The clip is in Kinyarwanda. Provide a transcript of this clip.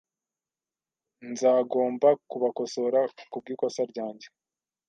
Nzagomba kubakosora kubwikosa ryanjye